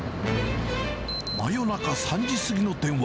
真夜中３時過ぎの電話。